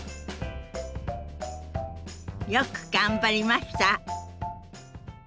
よく頑張りました。